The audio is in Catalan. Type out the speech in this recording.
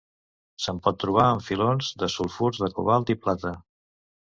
Se'n pot trobar en filons de sulfurs de cobalt i plata.